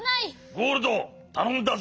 ゴールドたのんだぞ。